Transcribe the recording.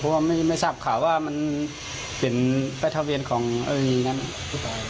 เพราะว่าไม่ทราบข่าวว่ามันเป็นป้ายทะเบียนของนั้นผู้ตาย